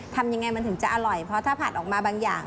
ทำยังไงมันถึงจะอร่อยเพราะถ้าผัดออกมาบางอย่าง